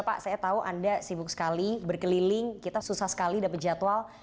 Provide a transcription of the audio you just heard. pak saya tahu anda sibuk sekali berkeliling kita susah sekali dapat jadwal